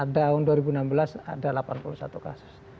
tahun dua ribu enam belas ada delapan puluh satu kasus